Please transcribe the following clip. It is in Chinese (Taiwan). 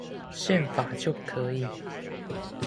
憲法就可以